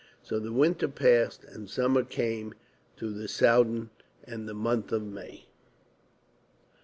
So the winter passed, and summer came to the Soudan and the month of May.